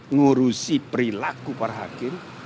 ngurusi perilaku para hakim